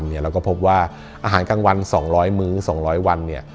เราก็พบว่าอาหารกลางวัน๒๐๐มื้อ๒๐๐วัน